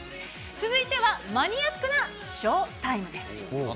続いてはマニアックな翔タイムです。